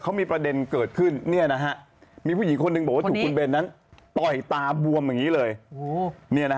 เรื่องที่คุณเนี่ยต้องคุณเลย